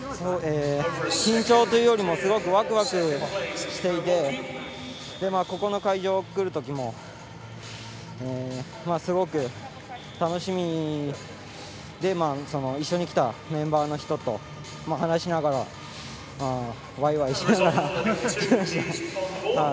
緊張というよりすごくワクワクしていてここの会場に来るときもすごく楽しみで一緒に来たメンバーの人と話しながらワイワイしゃべりながら来ました。